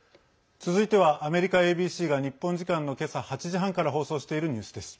続いては、アメリカＡＢＣが日本時間の今朝８時半から放送しているニュースです。